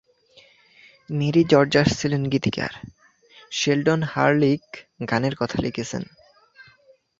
Mary Rodgers ছিলেন গীতিকার; Sheldon Harnick গানের কথা লিখেছিলেন।